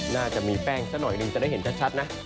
น่าจะมีแป้งซะหน่อยจะได้เห็นชัดนะ